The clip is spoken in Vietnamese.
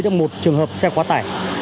để xử lý được một trường hợp xe khóa tải